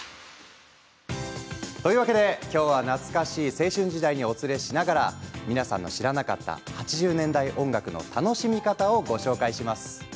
というわけで今日は懐かしい青春時代にお連れしながら皆さんの知らなかった８０年代音楽の楽しみ方をご紹介します。